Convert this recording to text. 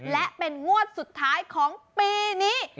และเป็นงวดสุดท้ายของปีนี้